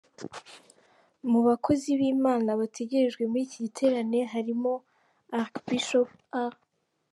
Mu bakozi b’Imana bategerejwe muri iki giterane harimo Arch Bishop A.